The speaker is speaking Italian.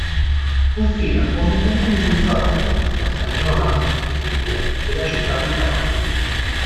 Confina con i comuni di Fabbrico, Campagnola Emilia e la città di Carpi.